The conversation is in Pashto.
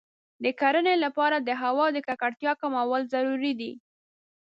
د کرنې لپاره د هوا د ککړتیا کمول ضروري دی.